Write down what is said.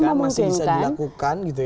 ya masih bisa dilakukan gitu ya